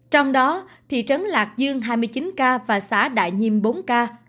trong đó thị trấn lạc dương hai mươi chín ca và xã đại nhiêm bốn ca